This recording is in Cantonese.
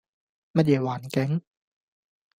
乜嘢環境